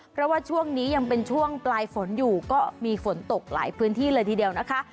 เพราะว่าช่วงนี้ยังเป็นช่วงปลายฝนอยู่ก็มีฝนตกหลายพื้นที่เลยทีเดียวนะคะ